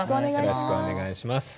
よろしくお願いします。